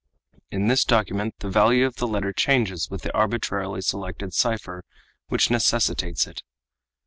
"In this document the value of the letter changes with the arbitrarily selected cipher which necessitates it.